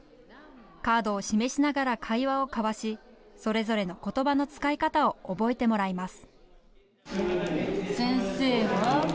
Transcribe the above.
カードを示しながら会話を交わしそれぞれの言葉の使い方を覚えてもらいます。